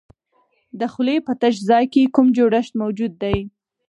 د خولې په تش ځای کې کوم جوړښت موجود دی؟